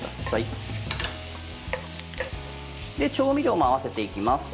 調味料も合わせていきます。